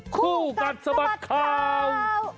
คู่กัดสะบัดข่าว